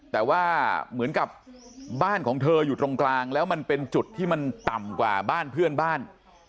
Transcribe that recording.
แต่ว่าเหมือนกับบ้านของเธออยู่ตรงกลางแล้วมันเป็นจุดที่มันต่ำกว่าบ้านเพื่อนบ้าน